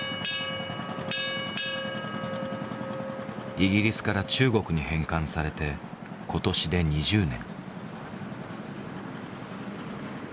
イギリスから中国に返還されて今年で２０年。